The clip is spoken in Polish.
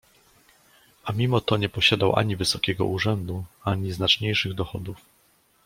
A mimo to nie posiadał ani wysokiego urzędu, ani znaczniejszych dochodów.